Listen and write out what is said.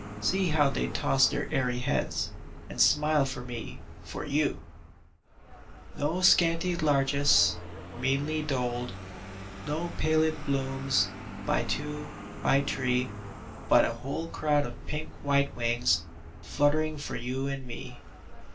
See how they toss their airy heads, And smile for me, for you ! No scanty largess, meanly doled — No pallid blooms, by two, by three, But a whole crowd of pink white wings Fluttering for you and me.